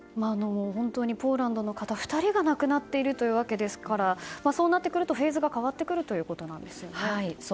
本当にポーランドの方、２人が亡くなっているわけですからそうなってくると、フェーズが変わってくるということですね。